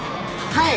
はい？